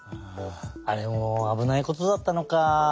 あれもあぶないことだったのか。